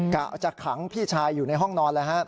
กะจะขังพี่ชายอยู่ในห้องนอนเลยฮะ